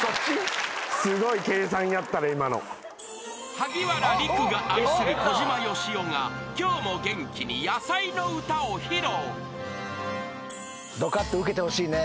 ［萩原利久が愛する小島よしおが今日も元気に野菜の歌を披露］